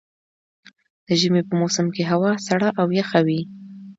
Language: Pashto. د ژمي په موسم کې هوا سړه او يخه وي.